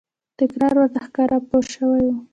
تکرار ورته ښکاري پوه شوې!.